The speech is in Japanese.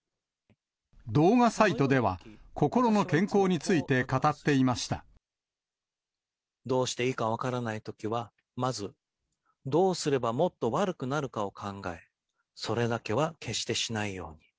動画サイトでは、心の健康にどうしていいか分からないときは、まずどうすればもっと悪くなるかを考え、それだけは決してしないように。